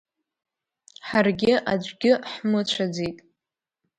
Ҳаргьы аӡәгьы ҳмыцәаӡеит.